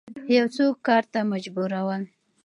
یو څوک یو کار ته مجبورول